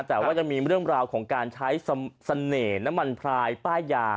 แต่ว่ายังมีเรื่องราวของการใช้เสน่ห์น้ำมันพลายป้ายยา